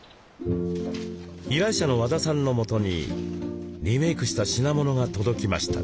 依頼者の和田さんのもとにリメイクした品物が届きました。